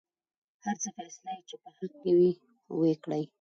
هر څه فيصله يې چې په حق کې کوۍ وېې کړۍ.